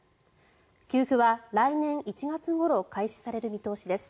給付は来年１月ごろ開始される見通しです。